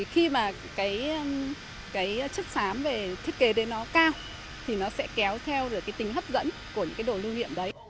khi mà cái chất sám về thiết kế đấy nó cao thì nó sẽ kéo theo được cái tính hấp dẫn của những cái đồ lưu niệm đấy